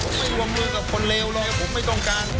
ผมไม่วงมือกับคนเลวเลยผมไม่ต้องการ